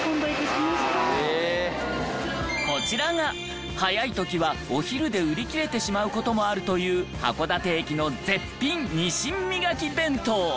こちらが早い時はお昼で売り切れてしまう事もあるという函館駅の絶品鰊みがき弁当。